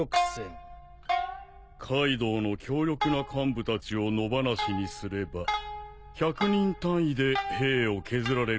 カイドウの強力な幹部たちを野放しにすれば１００人単位で兵を削られるだろう。